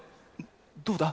どうだ？